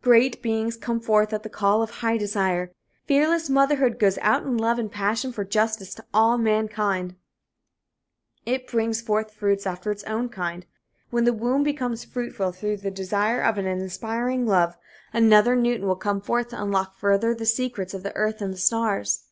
Great beings come forth at the call of high desire. Fearless motherhood goes out in love and passion for justice to all mankind. It brings forth fruits after its own kind. When the womb becomes fruitful through the desire of an aspiring love, another Newton will come forth to unlock further the secrets of the earth and the stars.